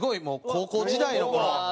高校時代の？